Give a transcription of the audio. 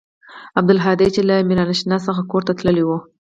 عبدالهادي چې له ميرانشاه څخه کور ته تللى و.